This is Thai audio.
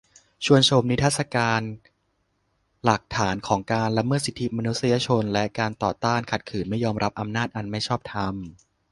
ชวนชมนิทรรศการหลักฐานของการละเมิดสิทธิมนุษยชน และการต่อต้านขัดขืนไม่ยอมรับอำนาจอันไม่ชอบธรรม